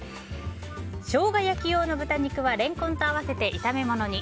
ショウガ焼き用の豚肉はレンコンと合わせて炒め物に。